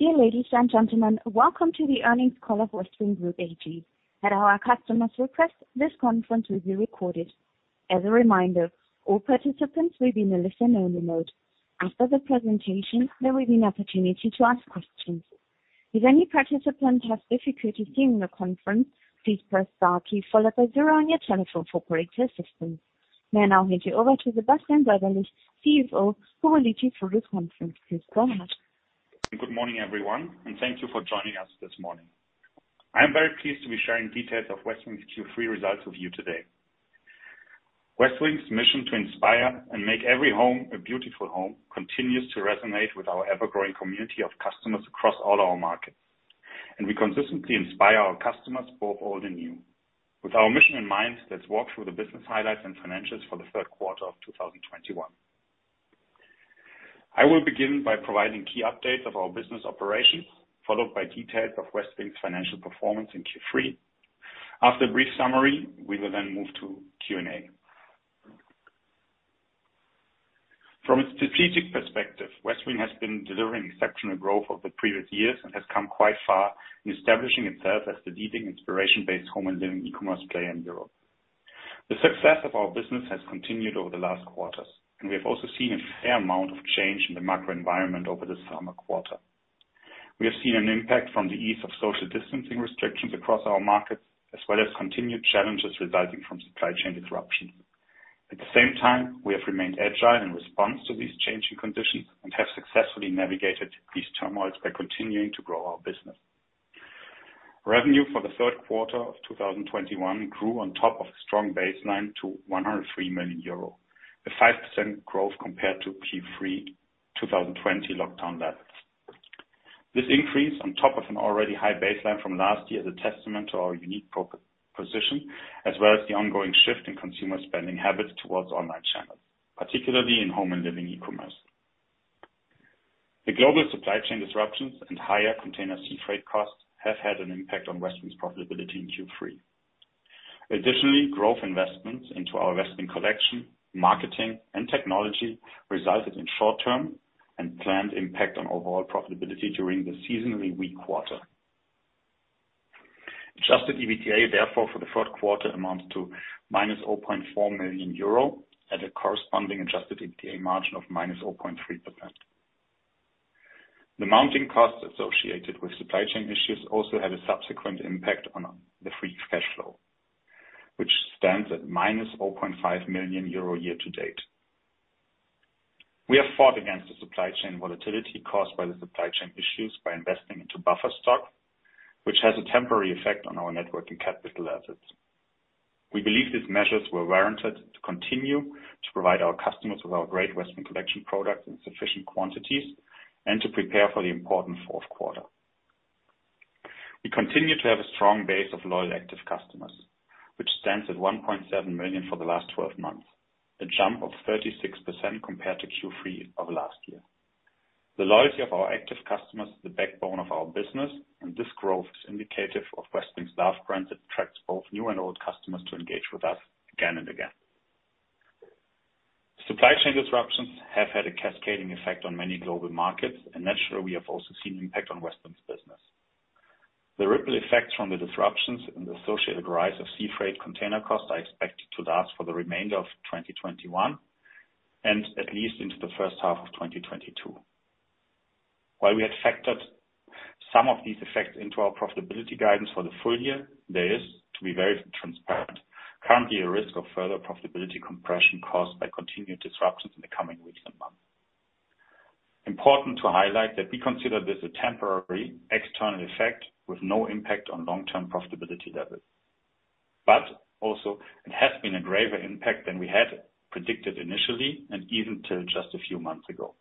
Dear ladies and gentlemen, welcome to the earnings call of Westwing Group SE. At our customers' request, this conference will be recorded. As a reminder, all participants will be in a listen only mode. After the presentation, there will be an opportunity to ask questions. If any participant has difficulty hearing the conference, please press star key followed by zero on your telephone for operator assistance. May I now hand you over to Sebastian Westrich, CFO, who will lead you through the conference. Please go ahead. Good morning, everyone, and thank you for joining us this morning. I am very pleased to be sharing details of Westwing's Q3 results with you today. Westwing's mission to inspire and make every home a beautiful home continues to resonate with our ever-growing community of customers across all our markets. We consistently inspire our customers, both old and new. With our mission in mind, let's walk through the business highlights and financials for the third quarter of 2021. I will begin by providing key updates of our business operations, followed by details of Westwing's financial performance in Q3. After a brief summary, we will then move to Q&A. From a strategic perspective, Westwing has been delivering exceptional growth over the previous years and has come quite far in establishing itself as the leading inspiration-based home and living e-commerce player in Europe. The success of our business has continued over the last quarters, and we have also seen a fair amount of change in the macro environment over the summer quarter. We have seen an impact from the ease of social distancing restrictions across our markets, as well as continued challenges resulting from supply chain disruption. At the same time, we have remained agile in response to these changing conditions and have successfully navigated these turmoils by continuing to grow our business. Revenue for the third quarter of 2021 grew on top of a strong baseline to 103 million euro, a 5% growth compared to Q3 2020 lockdown levels. This increase on top of an already high baseline from last year is a testament to our unique position, as well as the ongoing shift in consumer spending habits towards online channels, particularly in home and living e-commerce. The global supply chain disruptions and higher container sea freight costs have had an impact on Westwing's profitability in Q3. Additionally, growth investments into our Westwing Collection, marketing, and technology resulted in short-term and planned impact on overall profitability during the seasonally weak quarter. Adjusted EBITDA, therefore, for the third quarter amounts to -0.4 million euro at a corresponding adjusted EBITDA margin of -0.3%. The mounting costs associated with supply chain issues also had a subsequent impact on the free cash flow, which stands at -0.5 million euro year to date. We have fought against the supply chain volatility caused by the supply chain issues by investing into buffer stock, which has a temporary effect on our network and capital assets. We believe these measures were warranted to continue to provide our customers with our great Westwing Collection products in sufficient quantities and to prepare for the important fourth quarter. We continue to have a strong base of loyal, active customers, which stands at 1.7 million for the last twelve months, a jump of 36% compared to Q3 of last year. The loyalty of our active customers is the backbone of our business, and this growth is indicative of Westwing's love brand that attracts both new and old customers to engage with us again and again. Supply chain disruptions have had a cascading effect on many global markets, and naturally, we have also seen an impact on Westwing's business. The ripple effects from the disruptions and the associated rise of sea freight container costs are expected to last for the remainder of 2021 and at least into the first half of 2022. While we had factored some of these effects into our profitability guidance for the full year, there is, to be very transparent, currently a risk of further profitability compression caused by continued disruptions in the coming weeks and months. Important to highlight that we consider this a temporary external effect with no impact on long-term profitability levels. It has been a greater impact than we had predicted initially and even till just a few months ago.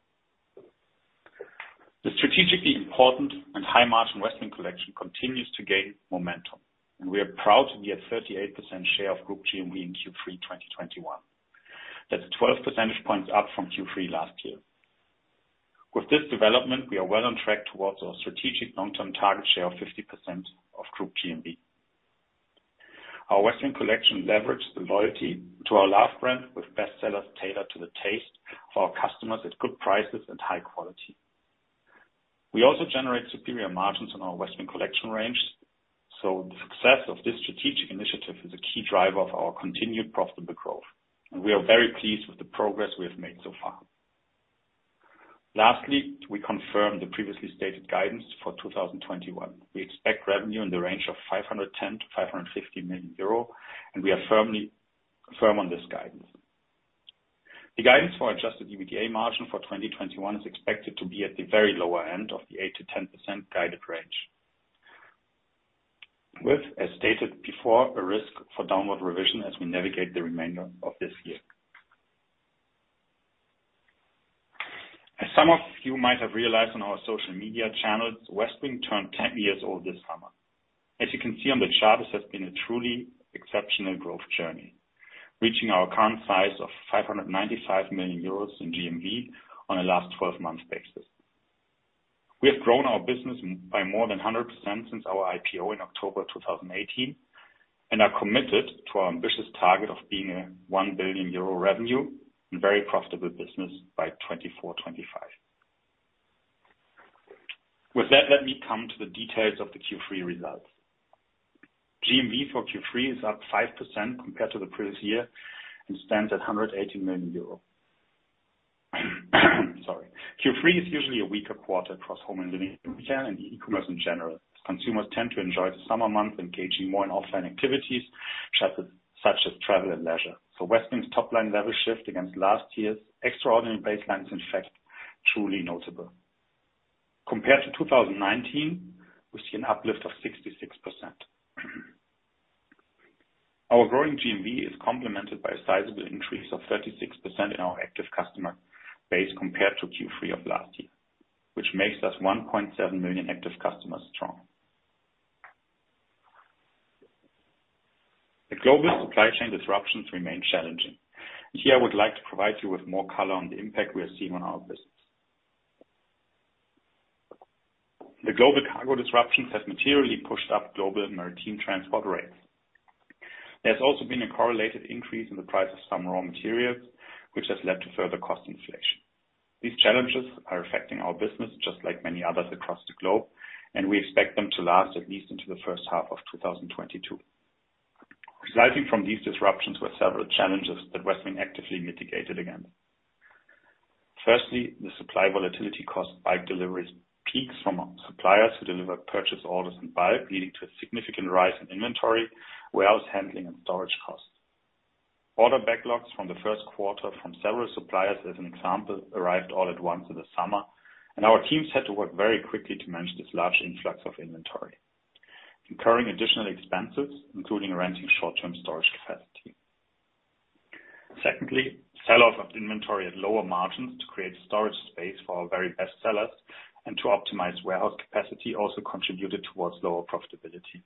The strategically important and high-margin Westwing Collection continues to gain momentum, and we are proud to be at 38% share of Group GMV in Q3 2021. That's 12 percentage points up from Q3 last year. With this development, we are well on track towards our strategic long-term target share of 50% of Group GMV. Our Westwing Collection leveraged the loyalty to our love brand with bestsellers tailored to the taste of our customers at good prices and high quality. We also generate superior margins on our Westwing Collection range, so the success of this strategic initiative is a key driver of our continued profitable growth, and we are very pleased with the progress we have made so far. Lastly, we confirm the previously stated guidance for 2021. We expect revenue in the range of 510 million-550 million euro, and we are firm on this guidance. The guidance for adjusted EBITDA margin for 2021 is expected to be at the very lower end of the 8%-10% guided range. With as stated before, a risk for downward revision as we navigate the remainder of this year. Some of you might have realized on our social media channels, Westwing turned 10 years old this summer. You can see on the chart, this has been a truly exceptional growth journey, reaching our current size of 595 million euros in GMV on a last 12-month basis. We have grown our business by more than 100% since our IPO in October of 2018. We are committed to our ambitious target of being a 1 billion euro revenue and very profitable business by 2024, 2025. With that, let me come to the details of the Q3 results. GMV for Q3 is up 5% compared to the previous year and stands at 180 million euro. Sorry. Q3 is usually a weaker quarter across home and living and e-commerce in general. Consumers tend to enjoy the summer months, engaging more in offline activities, such as travel and leisure. Westwing's top line level shift against last year's extraordinary baselines, in fact, truly notable. Compared to 2019, we see an uplift of 66%. Our growing GMV is complemented by a sizable increase of 36% in our active customer base compared to Q3 of last year, which makes us 1.7 million active customers strong. The global supply chain disruptions remain challenging. Here, I would like to provide you with more color on the impact we are seeing on our business. The global cargo disruptions have materially pushed up global maritime transport rates. There's also been a correlated increase in the price of some raw materials, which has led to further cost inflation. These challenges are affecting our business just like many others across the globe, and we expect them to last at least into H1 2022. Arising from these disruptions were several challenges that Westwing actively mitigated against. Firstly, the supply volatility caused by deliveries peaks from suppliers who deliver purchase orders in bulk, leading to a significant rise in inventory, warehouse handling, and storage costs. Order backlogs from the first quarter from several suppliers, as an example, arrived all at once in the summer, and our teams had to work very quickly to manage this large influx of inventory, incurring additional expenses, including renting short-term storage capacity. Secondly, sell-off of inventory at lower margins to create storage space for our very best sellers and to optimize warehouse capacity also contributed towards lower profitability.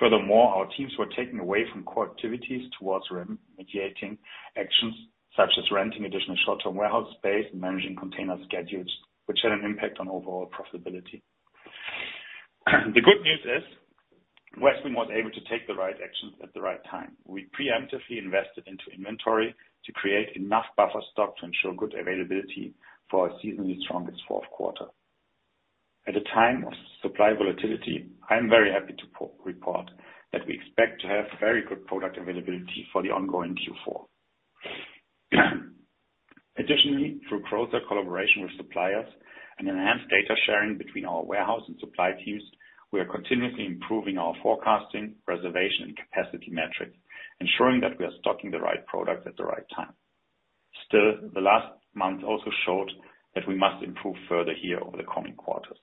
Furthermore, our teams were taken away from core activities towards remediating actions such as renting additional short-term warehouse space and managing container schedules, which had an impact on overall profitability. The good news is Westwing was able to take the right actions at the right time. We preemptively invested into inventory to create enough buffer stock to ensure good availability for our seasonally strongest fourth quarter. At a time of supply volatility, I am very happy to report that we expect to have very good product availability for the ongoing Q4. Additionally, through closer collaboration with suppliers and enhanced data sharing between our warehouse and supply teams, we are continuously improving our forecasting, reservation, and capacity metrics, ensuring that we are stocking the right product at the right time. Still, the last month also showed that we must improve further here over the coming quarters.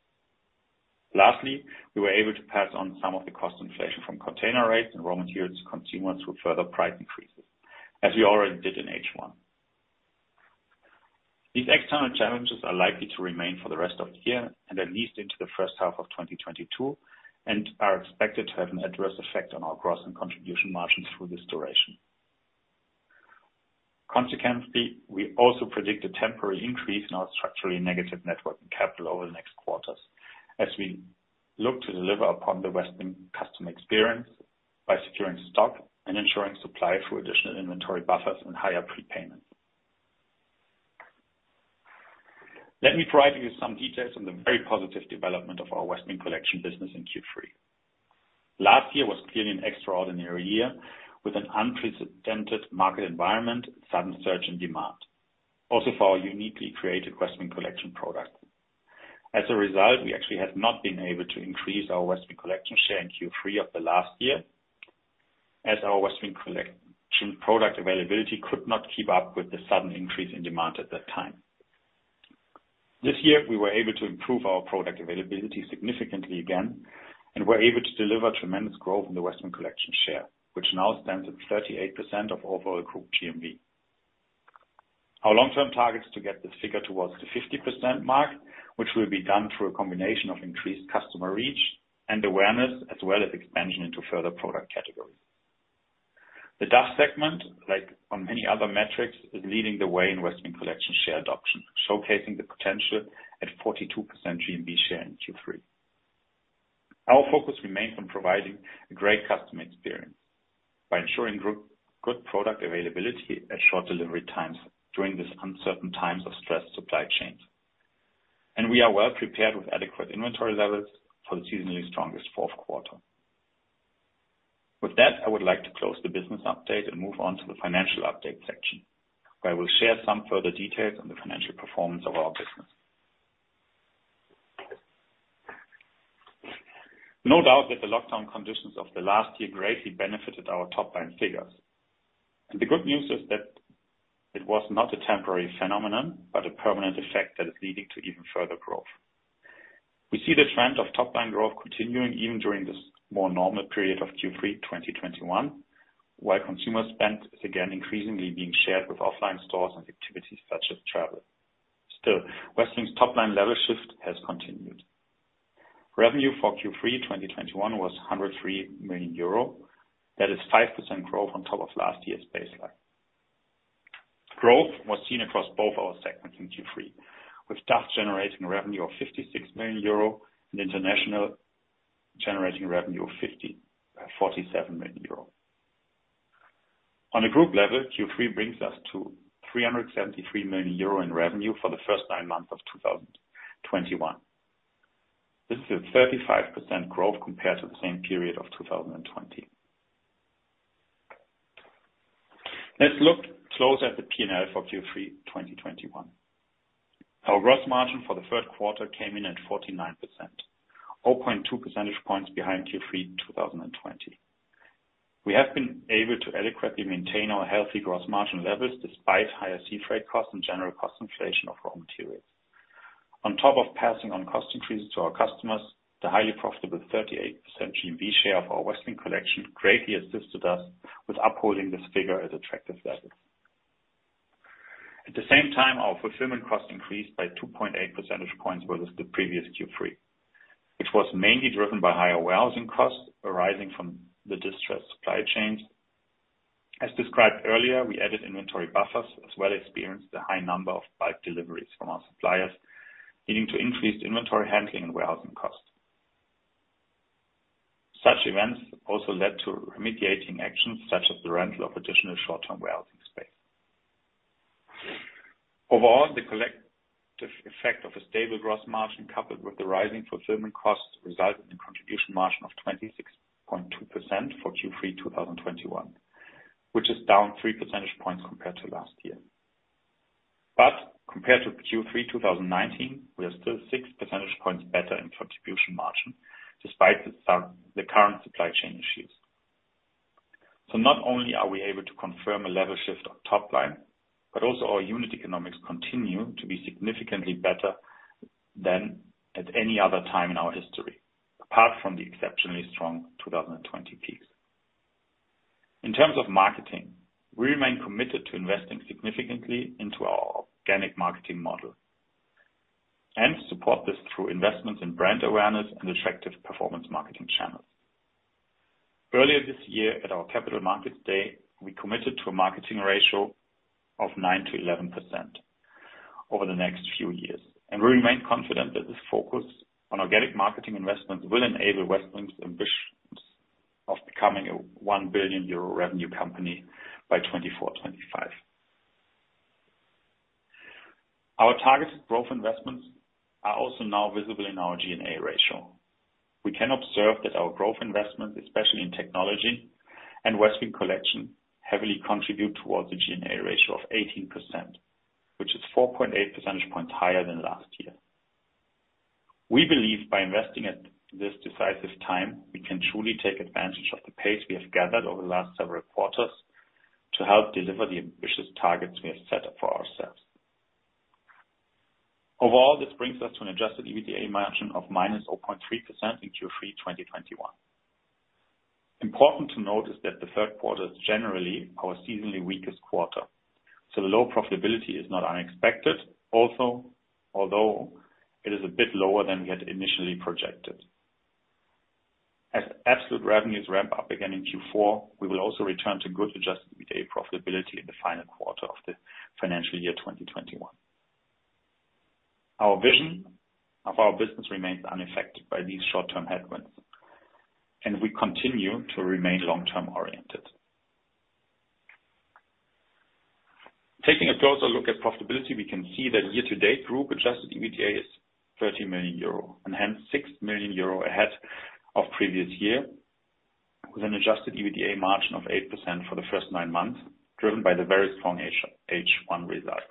Lastly, we were able to pass on some of the cost inflation from container rates and raw materials to consumers through further price increases, as we already did in H1. These external challenges are likely to remain for the rest of the year and at least into the first half of 2022, and are expected to have an adverse effect on our gross and contribution margins through this duration. Consequently, we also predict a temporary increase in our structurally negative net working capital over the next quarters as we look to deliver upon the Westwing customer experience by securing stock and ensuring supply through additional inventory buffers and higher prepayment. Let me provide you some details on the very positive development of our Westwing Collection business in Q3. Last year was clearly an extraordinary year with an unprecedented market environment, sudden surge in demand, also for our uniquely created Westwing Collection product. As a result, we actually have not been able to increase our Westwing Collection share in Q3 of the last year, as our Westwing Collection product availability could not keep up with the sudden increase in demand at that time. This year, we were able to improve our product availability significantly again and were able to deliver tremendous growth in the Westwing Collection share, which now stands at 38% of overall group GMV. Our long-term target is to get this figure towards the 50% mark, which will be done through a combination of increased customer reach and awareness, as well as expansion into further product categories. The DACH segment, like on many other metrics, is leading the way in Westwing Collection share adoption, showcasing the potential at 42% GMV share in Q3. Our focus remains on providing a great customer experience by ensuring good product availability and short delivery times during these uncertain times of stressed supply chains. We are well prepared with adequate inventory levels for the seasonally strongest fourth quarter. With that, I would like to close the business update and move on to the financial update section, where I will share some further details on the financial performance of our business. No doubt that the lockdown conditions of the last year greatly benefited our top-line figures. The good news is that it was not a temporary phenomenon, but a permanent effect that is leading to even further growth. We see the trend of top-line growth continuing even during this more normal period of Q3 2021, where consumer spend is again increasingly being shared with offline stores and activities such as travel. Still, Westwing's top-line level shift has continued. Revenue for Q3 2021 was 103 million euro. That is 5% growth on top of last year's baseline. Growth was seen across both our segments in Q3, with DACH generating revenue of 56 million euro and international generating revenue of 47 million euro. On a group level, Q3 brings us to 373 million euro in revenue for the first nine months of 2021. This is a 35% growth compared to the same period of 2020. Let's look closer at the P&L for Q3 2021. Our gross margin for the third quarter came in at 49%, 0.2 percentage points behind Q3 2020. We have been able to adequately maintain our healthy gross margin levels despite higher sea freight costs and general cost inflation of raw materials. On top of passing on cost increases to our customers, the highly profitable 38% GMV share of our Westwing Collection greatly assisted us with upholding this figure at attractive levels. At the same time, our fulfillment costs increased by 2.8 percentage points versus the previous Q3, which was mainly driven by higher warehousing costs arising from the distressed supply chains. As described earlier, we added inventory buffers as well as experienced the high number of bulk deliveries from our suppliers, leading to increased inventory handling and warehousing costs. Such events also led to remediating actions such as the rental of additional short-term warehousing space. Overall, the collective effect of a stable gross margin, coupled with the rising fulfillment costs, resulted in contribution margin of 26.2% for Q3 2021, which is down 3 percentage points compared to last year. Compared to Q3 2019, we are still 6 percentage points better in contribution margin despite the current supply chain issues. Not only are we able to confirm a level shift on top line, but also our unit economics continue to be significantly better than at any other time in our history, apart from the exceptionally strong 2020 peaks. In terms of marketing, we remain committed to investing significantly into our organic marketing model and support this through investments in brand awareness and attractive performance marketing channels. Earlier this year, at our Capital Markets Day, we committed to a marketing ratio of 9%-11% over the next few years, and we remain confident that this focus on organic marketing investments will enable Westwing's ambitions of becoming a 1 billion euro revenue company by 2024, 2025. Our targeted growth investments are also now visible in our G&A ratio. We can observe that our growth investments, especially in technology and Westwing Collection, heavily contribute towards the G&A ratio of 18%, which is 4.8 percentage points higher than last year. We believe by investing at this decisive time, we can truly take advantage of the pace we have gathered over the last several quarters to help deliver the ambitious targets we have set up for ourselves. Overall, this brings us to an adjusted EBITDA margin of -0.3% in Q3 2021. Important to note is that the third quarter is generally our seasonally weakest quarter, so low profitability is not unexpected, although it is a bit lower than we had initially projected. As absolute revenues ramp up again in Q4, we will also return to good adjusted EBITDA profitability in the final quarter of the financial year, 2021. Our vision of our business remains unaffected by these short-term headwinds, and we continue to remain long-term oriented. Taking a closer look at profitability, we can see that year-to-date group adjusted EBITDA is 30 million euro and hence 6 million euro ahead of previous year, with an adjusted EBITDA margin of 8% for the first nine months, driven by the very strong H1 result.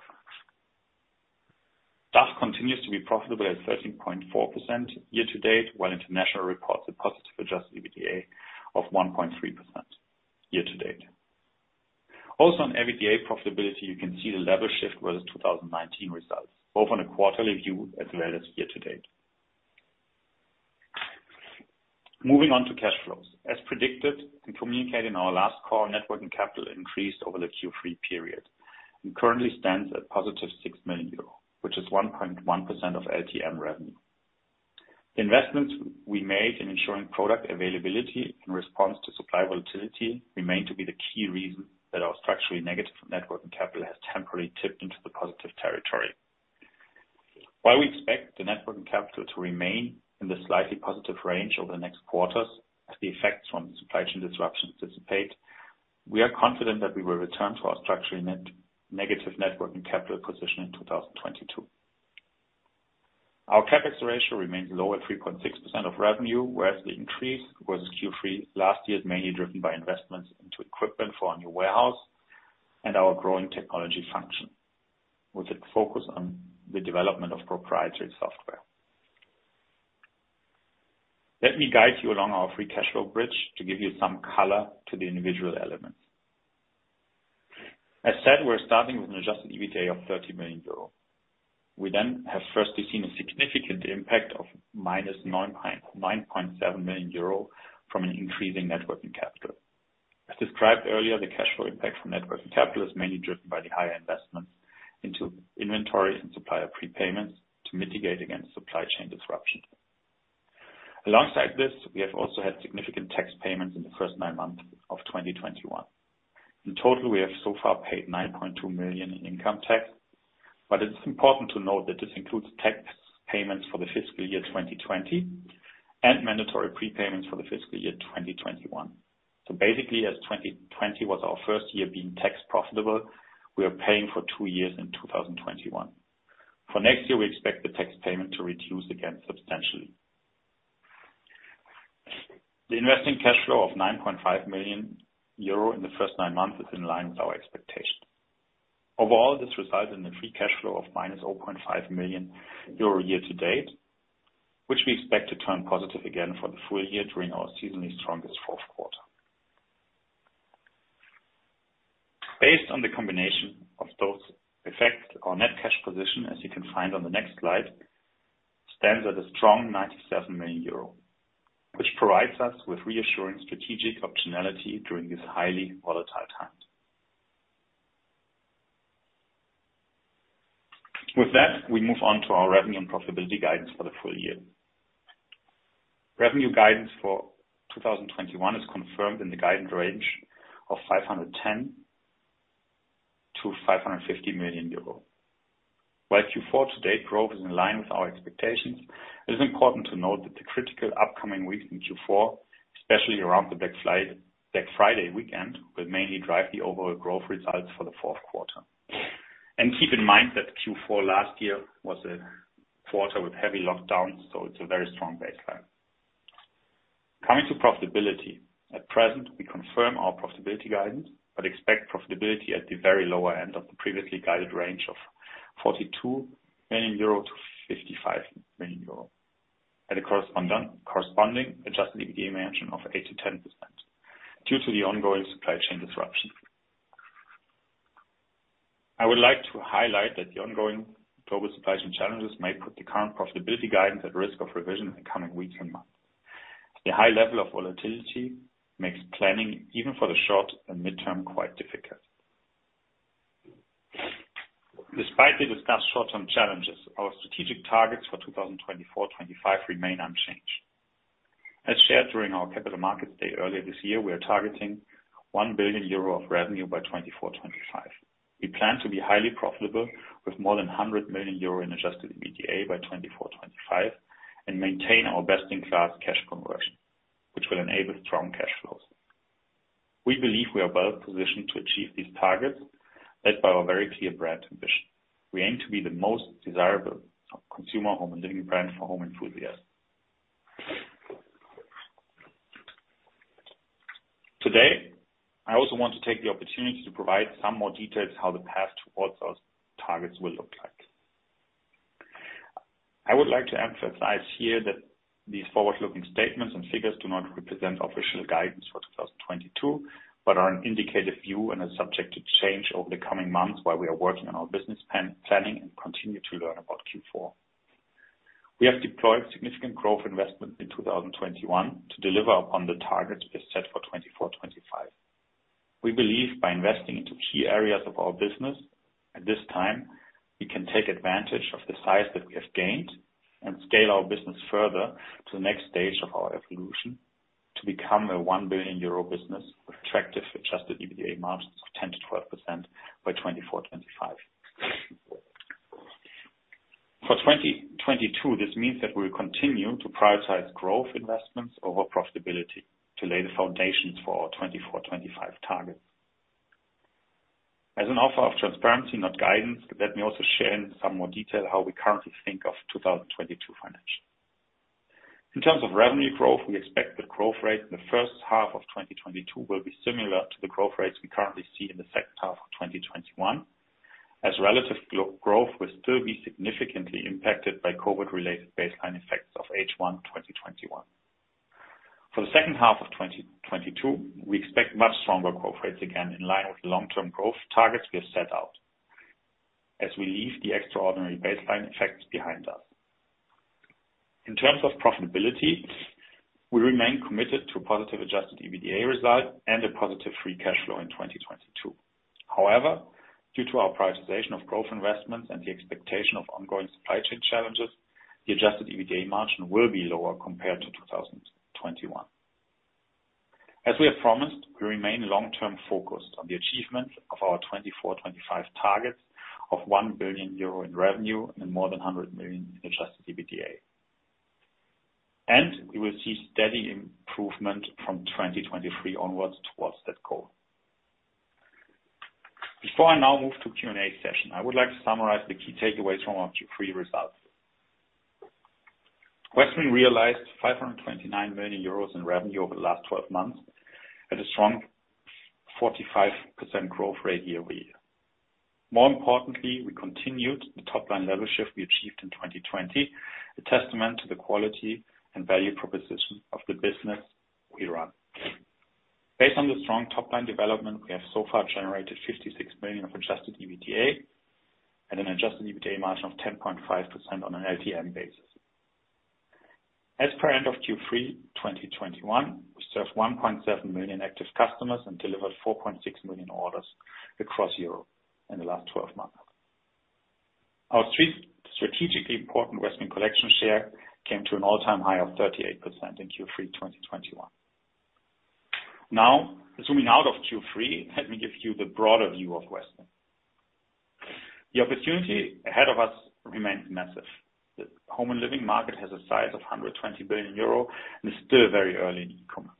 DACH continues to be profitable at 13.4% year-to-date, while International reports a positive adjusted EBITDA of 1.3% year-to-date. Also, on EBITDA profitability, you can see the level shift versus 2019 results, both on a quarterly view as well as year-to-date. Moving on to cash flows. As predicted and communicated in our last call, net working capital increased over the Q3 period and currently stands at positive 6 million euro, which is 1.1% of LTM revenue. Investments we made in ensuring product availability in response to supply volatility remain to be the key reason that our structurally negative net working capital has temporarily tipped into the positive territory. While we expect the net working capital to remain in the slightly positive range over the next quarters as the effects from supply chain disruptions dissipate, we are confident that we will return to our structurally negative net working capital position in 2022. Our CapEx ratio remains low at 3.6% of revenue, whereas the increase versus Q3 last year is mainly driven by investments into equipment for our new warehouse and our growing technology function, with a focus on the development of proprietary software. Let me guide you along our free cash flow bridge to give you some color to the individual elements. As said, we're starting with an adjusted EBITDA of 30 million euro. We then have firstly seen a significant impact of -99.7 million euro from an increasing net working capital. As described earlier, the cash flow impact from net working capital is mainly driven by the higher investments into inventories and supplier prepayments to mitigate against supply chain disruption. Alongside this, we have also had significant tax payments in the first nine months of 2021. In total, we have so far paid 9.2 million in income tax, but it's important to note that this includes tax payments for the fiscal year 2020 and mandatory prepayments for the fiscal year 2021. Basically as 2020 was our first year being tax profitable, we are paying for two years in 2021. For next year, we expect the tax payment to reduce again substantially. The investing cash flow of 9.5 million euro in the first nine months is in line with our expectations. Overall, this results in the free cash flow of -0.5 million euro year-to-date, which we expect to turn positive again for the full year during our seasonally strongest fourth quarter. Based on the combination of those effects, our net cash position, as you can find on the next slide, stands at a strong 97 million euro, which provides us with reassuring strategic optionality during these highly volatile times. With that, we move on to our revenue and profitability guidance for the full year. Revenue guidance for 2021 is confirmed in the guidance range of 510 million-550 million euro. While Q4 to date growth is in line with our expectations, it is important to note that the critical upcoming week in Q4, especially around the Black Friday weekend, will mainly drive the overall growth results for the fourth quarter. Keep in mind that Q4 last year was a quarter with heavy lockdowns, so it's a very strong baseline. Coming to profitability. At present, we confirm our profitability guidance, but expect profitability at the very lower end of the previously guided range of 42 million-55 million euro at a corresponding adjusted EBITDA margin of 8%-10% due to the ongoing supply chain disruption. I would like to highlight that the ongoing global supply chain challenges may put the current profitability guidance at risk of revision in the coming weeks and months. The high level of volatility makes planning even for the short and midterm quite difficult. Despite the discussed short-term challenges, our strategic targets for 2024/2025 remain unchanged. As shared during our Capital Markets Day earlier this year, we are targeting 1 billion euro of revenue by 2024/2025. We plan to be highly profitable with more than 100 million euro in adjusted EBITDA by 2024/2025 and maintain our best-in-class cash conversion, which will enable strong cash flows. We believe we are well positioned to achieve these targets, led by our very clear brand ambition. We aim to be the most desirable consumer home and living brand for home enthusiasts. Today, I also want to take the opportunity to provide some more details how the path towards those targets will look like. I would like to emphasize here that these forward-looking statements and figures do not represent official guidance for 2022, but are an indicative view and are subject to change over the coming months while we are working on our business planning and continue to learn about Q4. We have deployed significant growth investments in 2021 to deliver upon the targets we have set for 2024/2025. We believe by investing into key areas of our business, at this time, we can take advantage of the size that we have gained and scale our business further to the next stage of our evolution to become a 1 billion euro business with attractive adjusted EBITDA margins of 10%-12% by 2024/2025. For 2022, this means that we will continue to prioritize growth investments over profitability to lay the foundations for our 2024/2025 targets. As an offer of transparency, not guidance, let me also share in some more detail how we currently think of 2022 financially. In terms of revenue growth, we expect the growth rate in the first half of 2022 will be similar to the growth rates we currently see in the second half of 2021, as relative growth will still be significantly impacted by COVID-related baseline effects of H1 2021. For the second half of 2022, we expect much stronger growth rates again in line with long-term growth targets we have set out as we leave the extraordinary baseline effects behind us. In terms of profitability, we remain committed to a positive adjusted EBITDA result and a positive free cash flow in 2022. However, due to our prioritization of growth investments and the expectation of ongoing supply chain challenges, the adjusted EBITDA margin will be lower compared to 2021. As we have promised, we remain long-term focused on the achievements of our 2024/2025 targets of 1 billion euro in revenue and more than 100 million in adjusted EBITDA. We will see steady improvement from 2023 onwards towards that goal. Before I now move to Q&A session, I would like to summarize the key takeaways from our Q3 results. Westwing realized 529 million euros in revenue over the last 12 months at a strong 45% growth rate year-over-year. More importantly, we continued the top-line level shift we achieved in 2020, a testament to the quality and value proposition of the business we run. Based on the strong top-line development, we have so far generated 56 million of adjusted EBITDA and an adjusted EBITDA margin of 10.5% on an LTM basis. As per end of Q3 2021, we serve 1.7 million active customers and delivered 4.6 million orders across Europe in the last 12 months. Our three strategically important Westwing Collection share came to an all time high of 38% in Q3 2021. Now, zooming out of Q3, let me give you the broader view of Westwing. The opportunity ahead of us remains massive. The home and living market has a size of 120 billion euro and is still very early in e-commerce.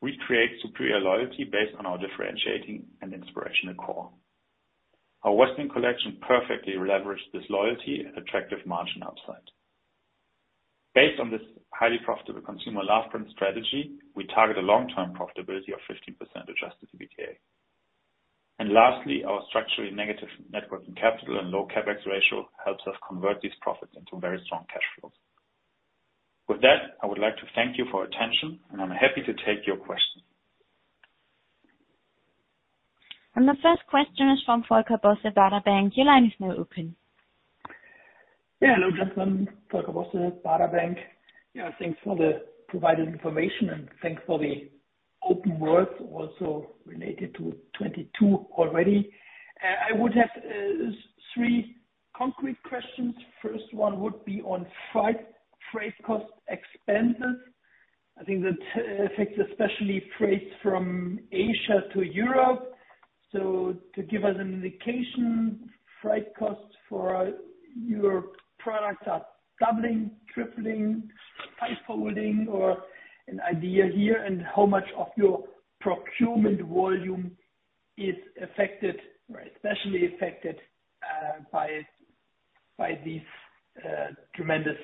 We create superior loyalty based on our differentiating and inspirational core. Our Westwing Collection perfectly leveraged this loyalty and attractive margin upside. Based on this highly profitable consumer lifetime strategy, we target a long-term profitability of 15% adjusted EBITDA. Lastly, our structurally negative net working capital and low CapEx ratio helps us convert these profits into very strong cash flows. With that, I would like to thank you for attention, and I'm happy to take your question. The first question is from Volker Bosse, Baader Bank. Your line is now open. Yeah, hello gentlemen. Volker Bosse, Baader Bank. Yeah, thanks for the provided information and thanks for the open words also related to 2022 already. I would have three concrete questions. First one would be on freight cost expenses. I think that affects especially trades from Asia to Europe. To give us an indication, freight costs for your products are doubling, tripling, five-folding, or an idea here and how much of your procurement volume is affected, or especially affected, by these tremendous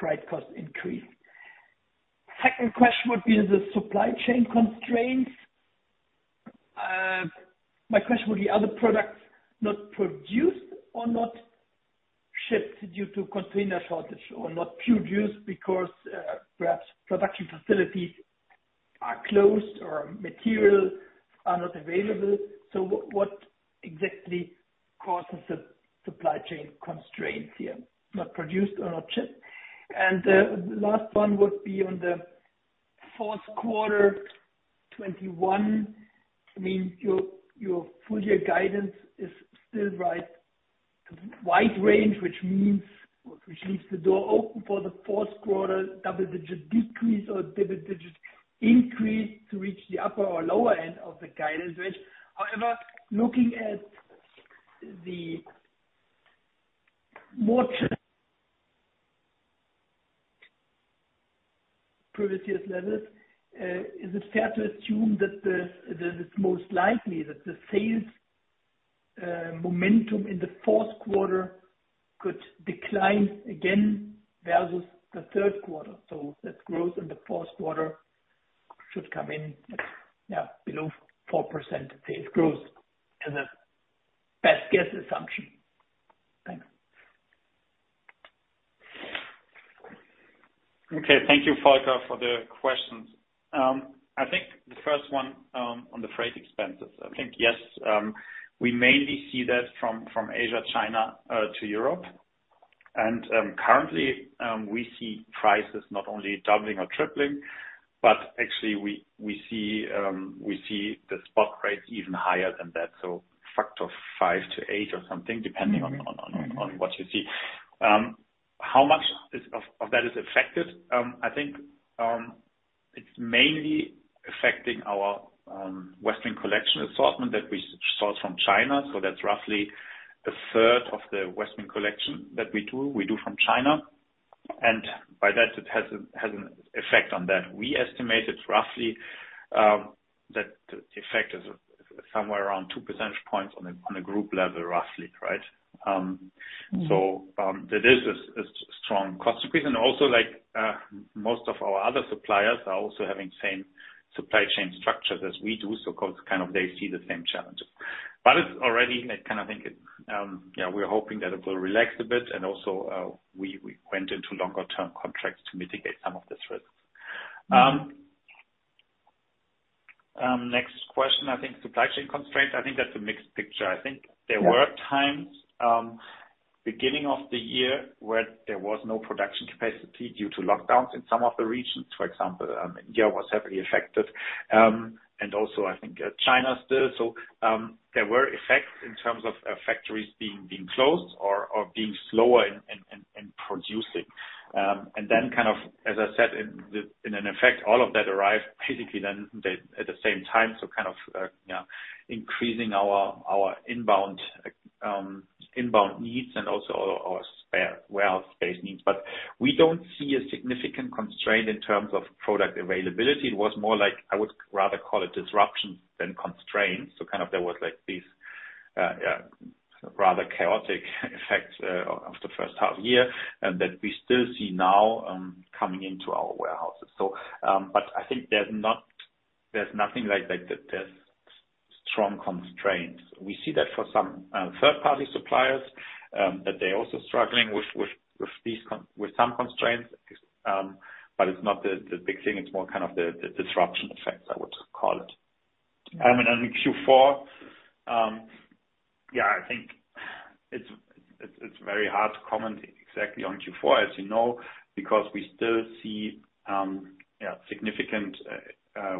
freight cost increase. Second question would be the supply chain constraints. My question would be, are the products not produced or not shipped due to container shortage or not produced because perhaps production facilities are closed or material are not available. What exactly causes the supply chain constraints here? Not produced or not shipped. The last one would be on the fourth quarter 2021. I mean, your full year guidance is still right, wide range, which means, which leaves the door open for the fourth quarter double-digit decrease or double-digit increase to reach the upper or lower end of the guidance range. However, looking at the more previous levels, is it fair to assume that that it's most likely that the sales momentum in the fourth quarter could decline again versus the third quarter? That growth in the fourth quarter should come in, yeah, below 4% sales growth as a best guess assumption. Thanks. Okay. Thank you, Volker, for the questions. I think the first one on the freight expenses. I think, yes, we mainly see that from Asia, China, to Europe. Currently, we see prices not only doubling or tripling, but actually we see the spot rates even higher than that. Factor 5-8 or something, depending on what you see. How much of that is affected? I think it's mainly affecting our Westwing Collection assortment that we source from China. That's roughly a third of the Westwing Collection that we do from China. By that, it has an effect on that. We estimate it's roughly that the effect is somewhere around two percentage points on a group level, roughly, right. There is a strong cost increase and also like most of our other suppliers are also having same supply chain structures as we do. Of course, kind of they see the same challenge. It's already, I kind of think it's, yeah, we're hoping that it will relax a bit and also we went into longer term contracts to mitigate some of this risk. Next question, I think supply chain constraints. That's a mixed picture. There were times beginning of the year where there was no production capacity due to lockdowns in some of the regions. For example, India was heavily affected, and also I think China still. There were effects in terms of factories being closed or being slower in producing. Then kind of, as I said, in effect, all of that arrived basically at the same time. Kind of, you know, increasing our inbound needs and also our spare warehouse space needs. We don't see a significant constraint in terms of product availability. It was more like, I would rather call it disruption than constraints. Kind of there was like this rather chaotic effect of the first half year and that we still see now coming into our warehouses. I think there's nothing like this strong constraints. We see that for some third-party suppliers that they're also struggling with these constraints, but it's not the big thing. It's more kind of the disruption effects I would call it. In Q4 I think it's very hard to comment exactly on Q4, as you know, because we still see significant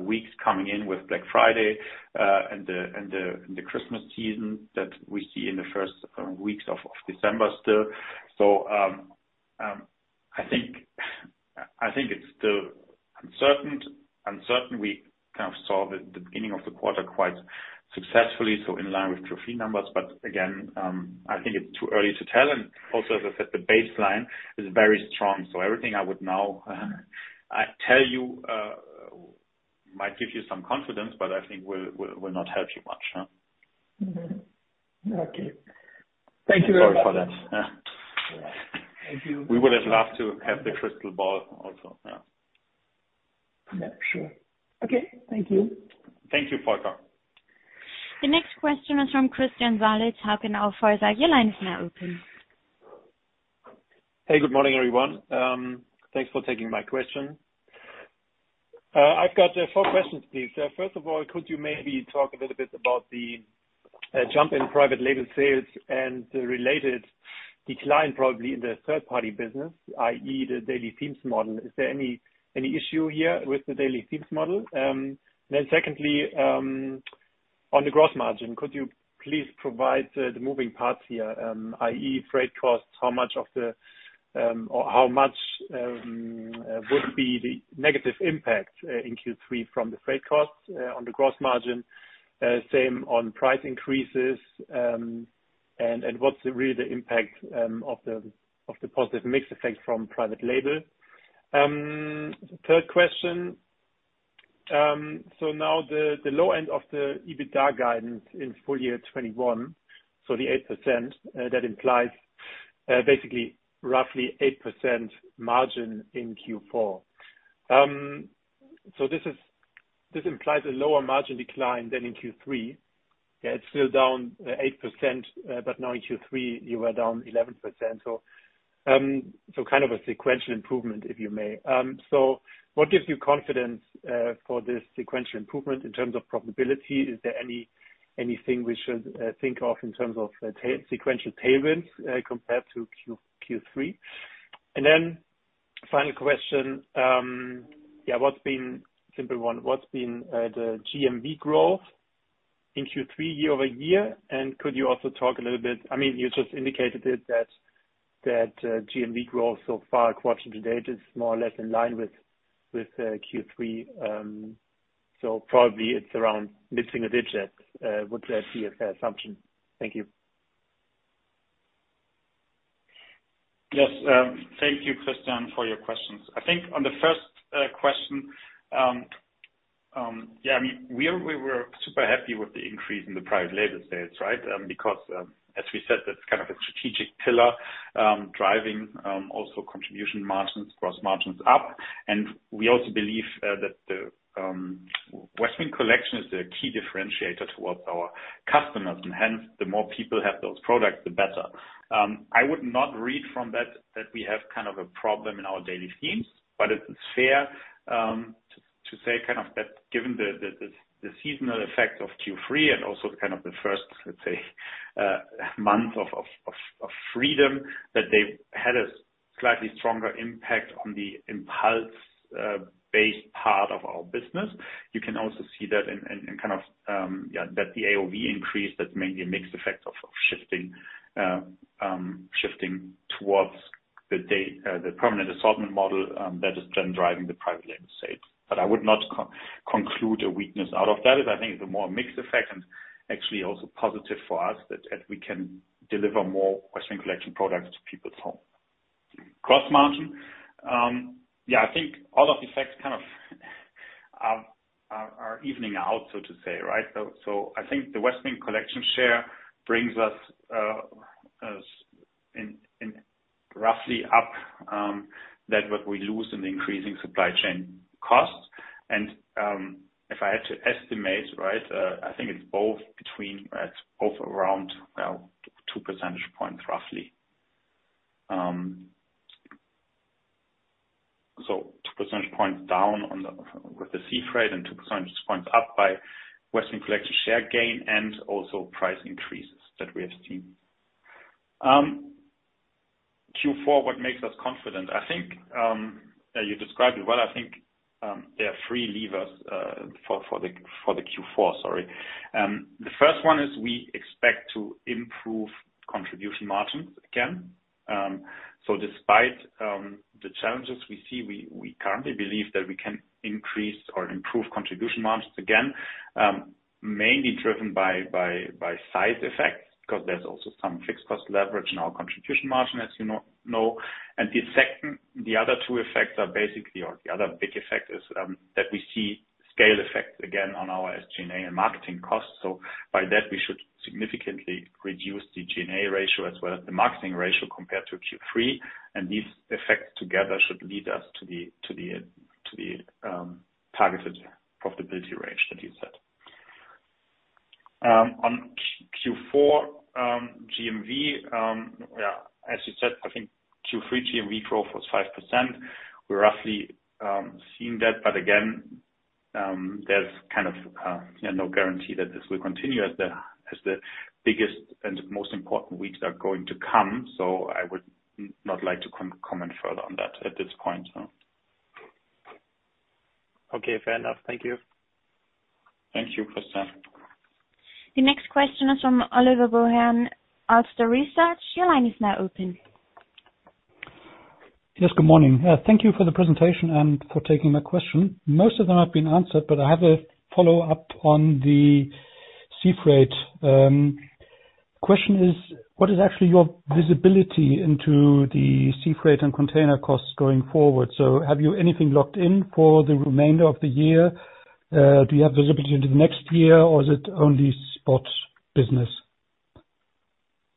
weeks coming in with Black Friday and the Christmas season that we see in the first weeks of December still. I think it's still uncertain. We kind of saw the beginning of the quarter quite successfully, so in line with top-line numbers. Again I think it's too early to tell. Also, as I said, the baseline is very strong. Everything I would now tell you might give you some confidence, but I think will not help you much, huh? Okay. Thank you very much. Sorry for that. Yeah. Thank you. We would have loved to have the crystal ball also. Yeah. Yeah, sure. Okay. Thank you. Thank you, Volker. The next question is from Christian Salis, Hauck Aufhäuser. Your line is now open. Hey, good morning, everyone. Thanks for taking my question. I've got four questions, please. First of all, could you maybe talk a little bit about the jump in private label sales and the related decline probably in the third-party business, i.e., the Daily Themes model. Is there any issue here with the Daily Themes model? Secondly, on the gross margin, could you please provide the moving parts here, i.e., freight costs, how much would be the negative impact in Q3 from the freight costs on the gross margin? Same on price increases. What's really the impact of the positive mix effect from private label? Third question. Now the low end of the EBITDA guidance in full year 2021, the 8%, that implies basically roughly 8% margin in Q4. This implies a lower margin decline than in Q3. It's still down 8%, but now in Q3 you are down 11%. Kind of a sequential improvement, if you may. What gives you confidence for this sequential improvement in terms of probability? Is there anything we should think of in terms of sequential tailwinds compared to Q3? Then final question. Simple one. What's been the GMV growth in Q3 year-over-year? Could you also talk a little bit? I mean, you just indicated it, that GMV growth so far quarter to date is more or less in line with Q3. Probably it's around mid-single digit. Would that be a fair assumption? Thank you. Yes. Thank you, Christian, for your questions. I think on the first question, yeah, I mean, we were super happy with the increase in the private label sales, right? Because, as we said, that's kind of a strategic pillar, driving also contribution margins, gross margins up. We also believe that the Westwing Collection is the key differentiator towards our customers, and hence the more people have those products, the better. I would not read from that we have kind of a problem in our Daily Themes. It's fair to say kind of that given the seasonal effect of Q3 and also kind of the first, let's say, month of freedom, that they've had a slightly stronger impact on the impulse based part of our business. You can also see that in kind of yeah, that the AOV increase, that's mainly a mixed effect of shifting towards the permanent assortment model, that is then driving the private label sales. I would not conclude a weakness out of that. I think it's a more mixed effect and actually also positive for us that we can deliver more Westwing Collection products to people's home. Gross margin. Yeah, I think all of the effects kind of are evening out, so to say, right? I think the Westwing Collection share brings us in roughly up to what we lose in the increasing supply chain costs. If I had to estimate, right, I think it's around, well, 2 percentage points roughly. 2 percentage points down on the, with the sea freight and 2 percentage points up by Westwing Collection share gain and also price increases that we have seen. Q4, what makes us confident? I think you described it well. I think there are three levers for the Q4, sorry. The first one is we expect to improve contribution margins again. Despite the challenges we see, we currently believe that we can increase or improve contribution margins again, mainly driven by scale effects, because there's also some fixed cost leverage in our contribution margin, as you know. The other big effect is that we see scale effects again on our SG&A and marketing costs. By that, we should significantly reduce the G&A ratio as well as the marketing ratio compared to Q3. These effects together should lead us to the targeted profitability range that you said. On Q4 GMV, as you said, I think Q3 GMV growth was 5%. We're roughly seeing that. Again, there's kind of no guarantee that this will continue as the biggest and most important weeks are going to come. I would not like to comment further on that at this point. Okay, fair enough. Thank you. Thank you, Christian. The next question is from Oliver Wojahn, AlsterResearch. Your line is now open. Yes, good morning. Thank you for the presentation and for taking my question. Most of them have been answered, but I have a follow-up on the sea freight. Question is, what is actually your visibility into the sea freight and container costs going forward? Have you anything locked in for the remainder of the year? Do you have visibility into the next year or is it only spot business?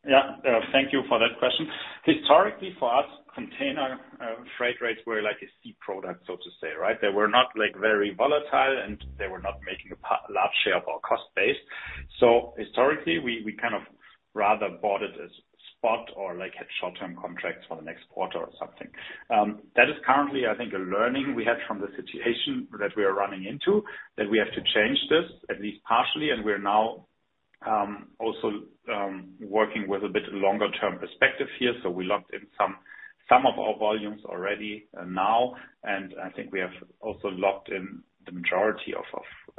Yeah. Thank you for that question. Historically, for us, container freight rates were like a sea product, so to say, right? They were not, like, very volatile, and they were not making a large share of our cost base. Historically, we kind of rather bought it as spot or, like, had short-term contracts for the next quarter or something. That is currently, I think, a learning we had from the situation that we are running into, that we have to change this at least partially, and we're now also working with a bit longer-term perspective here. We locked in some of our volumes already, now, and I think we have also locked in the majority of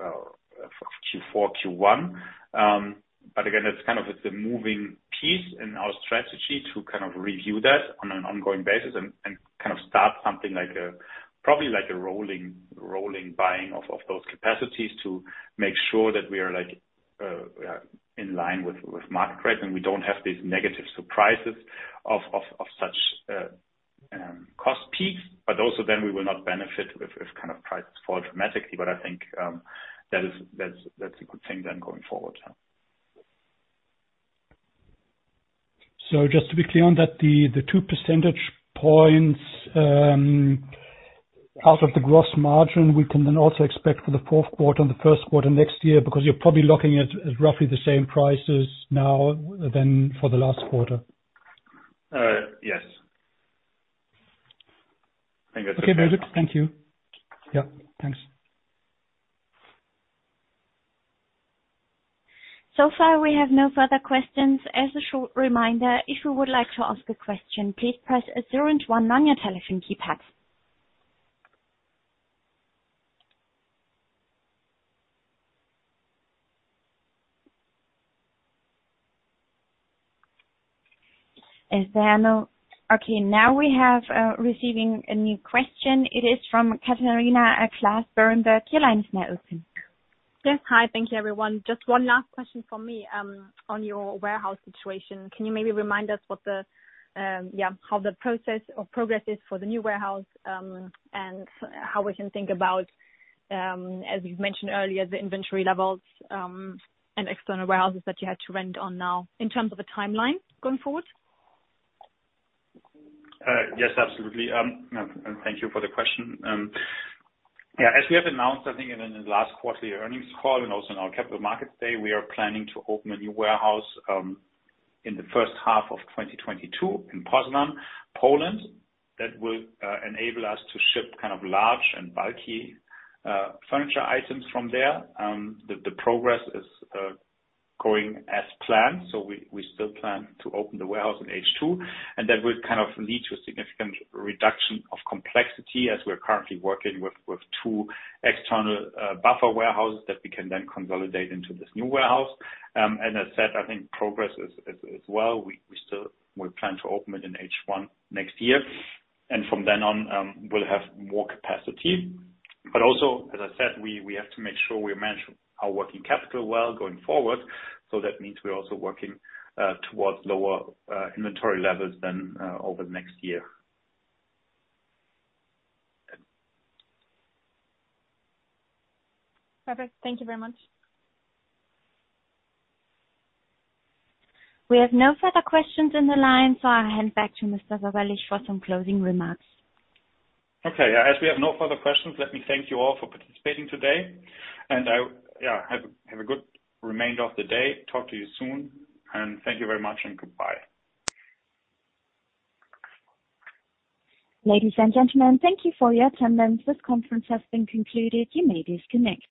Q4, Q1. Again, it's kind of, it's a moving piece in our strategy to kind of review that on an ongoing basis and kind of start something like a, probably like a rolling buying of those capacities to make sure that we are, like, in line with market rates and we don't have these negative surprises of such cost peaks. Also then we will not benefit if kind of prices fall dramatically. I think, that's a good thing then going forward. Just to be clear on that, the 2 percentage points out of the gross margin, we can then also expect for the fourth quarter and the first quarter next year, because you're probably looking at roughly the same prices now as for the last quarter. Yes. I think that's. Okay, perfect. Thank you. Yeah, thanks. So far we have no further questions. As a short reminder, if you would like to ask a question, please press zero and one on your telephone keypad. Okay, now we're receiving a new question. It is from Catharina Claes, Berenberg. Your line is now open. Yes. Hi. Thank you, everyone. Just one last question from me on your warehouse situation. Can you maybe remind us how the process or progress is for the new warehouse, and how we can think about, as you've mentioned earlier, the inventory levels, and external warehouses that you had to rent, and now in terms of the timeline going forward? Yes, absolutely. Thank you for the question. Yeah, as we have announced, I think in the last quarterly earnings call and also in our Capital Markets Day, we are planning to open a new warehouse in the first half of 2022 in Poznań, Poland, that will enable us to ship kind of large and bulky furniture items from there. The progress is going as planned, so we still plan to open the warehouse in H2, and that will kind of lead to a significant reduction of complexity as we're currently working with two external buffer warehouses that we can then consolidate into this new warehouse. As said, I think progress is well. We still plan to open it in H1 next year, and from then on, we'll have more capacity. Also, as I said, we have to make sure we manage our working capital well going forward. That means we're also working towards lower inventory levels then over the next year. Perfect. Thank you very much. We have no further questions in the line, so I'll hand back to Mr. Westrich for some closing remarks. Okay. As we have no further questions, let me thank you all for participating today. I, yeah, have a good remainder of the day. Talk to you soon and thank you very much and goodbye. Ladies and gentlemen, thank you for your attendance. This conference has been concluded. You may disconnect.